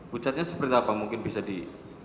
pucatnya seperti apa mungkin bisa di